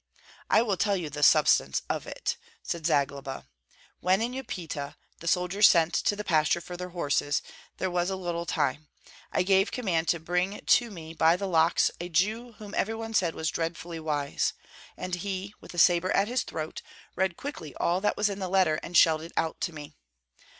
"I will tell you the substance of it," said Zagloba. "When in Upita the soldiers sent to the pasture for their horses, there was a little time. I gave command to bring to me by the locks a Jew whom every one said was dreadfully wise, and he, with a sabre at his throat, read quickly all that was in the letter and shelled it out to me.